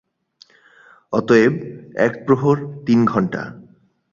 অতএব এক প্রহর তিন ঘণ্টা।